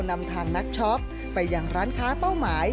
นำทางนักช็อปไปยังร้านค้าเป้าหมาย